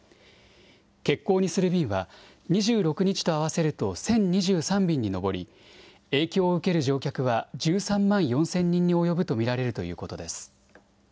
欠航にする便は２６日と合わせると１０２３便に上り影響を受ける乗客は１３万４０００人に及ぶと見られるということです。